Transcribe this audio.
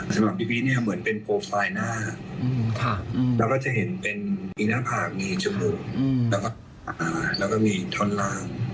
สำหรับพี่พีชเนี่ยเหมือนเป็นโปรไฟล์หน้าเราก็จะเห็นเป็นมีหน้าผากมีจมูกแล้วก็มีท่อนล่าง